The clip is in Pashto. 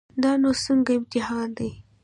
دا نو څنګه امتحان دی.